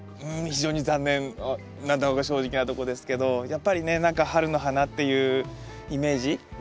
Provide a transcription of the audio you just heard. うん非常に残念なのが正直なとこですけどやっぱりね何か春の花っていうイメージ